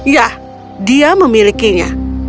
ya dia memilikinya